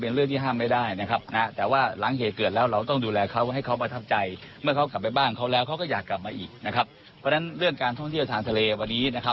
เพราะนั้นการท่องเที่ยวทางทะเลวันนี้